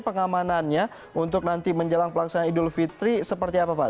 pengamanannya untuk nanti menjelang pelaksanaan idul fitri seperti apa pak